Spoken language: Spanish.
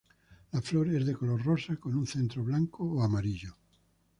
La flor es de color rosa con un centro blanco o amarillo.